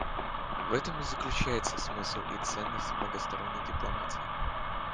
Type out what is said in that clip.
В этом и заключается смысл и ценность многосторонней дипломатии.